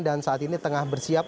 dan saat ini tengah bersiap